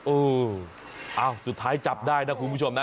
เออสุดท้ายจับได้นะคุณผู้ชมนะ